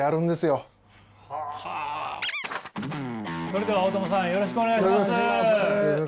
それでは大友さんよろしくお願いします。